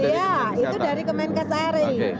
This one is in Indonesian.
iya itu dari kemenkes ri